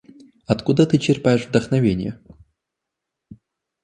Откуда ты черпаешь вдохновение?